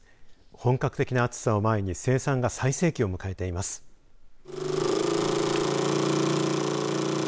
本格的な暑さを前に生産が最盛期を迎えています。